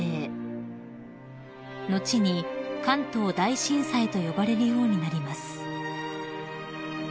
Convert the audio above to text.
［後に関東大震災と呼ばれるようになります］